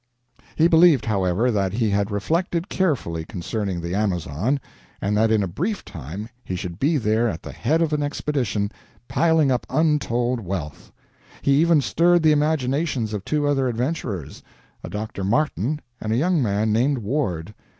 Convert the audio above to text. He believed, however, that he had reflected carefully concerning the Amazon, and that in a brief time he should be there at the head of an expedition, piling up untold wealth. He even stirred the imaginations of two other adventurers, a Dr. Martin and a young man named Ward.